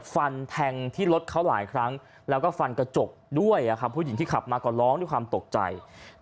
ฟันแทงที่รถเขาหลายครั้งแล้วก็ฟันกระจกด้วยผู้หญิงที่ขับมาก็ร้องด้วยความตกใจ